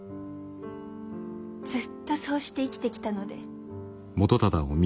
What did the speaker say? ずっとそうして生きてきたので。